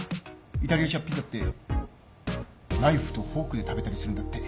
イタリアじゃピザってナイフとフォークで食べたりするんだって。